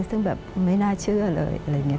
ซึ่งแบบไม่น่าเชื่อเลย